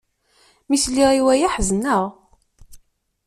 Mi sliɣ i waya, ḥezneɣ.